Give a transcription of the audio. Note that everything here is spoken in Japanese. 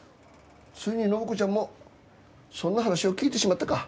ついに暢子ちゃんもそんな話を聞いてしまったか。